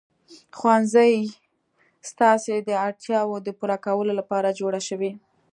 ښوونځی ستاسې د اړتیاوو د پوره کولو لپاره جوړ شوی.